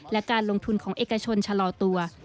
และการลงทุนของเอกชนชะลอตัว